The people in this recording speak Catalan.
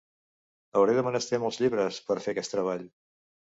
Hauré de menester molts llibres, per a fer aquest treball.